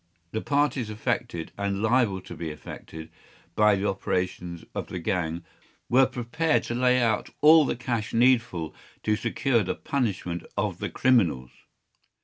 The parties affected, and liable to be affected, by the operations of the gang, were prepared to lay out all the cash needful to secure the punishment of the criminals.